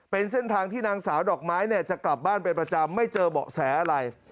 เป็นเส้นทางที่นางสาวดอกไม้เนี่ยจะกลับบ้านเป็นประจำไม่เจอเบาะแสอะไร